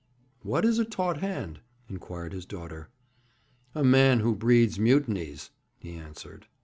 'What is a taut hand?' inquired his daughter. 'A man who breeds mutinies,' he answered.